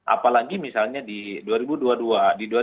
apalagi misalnya di indonesia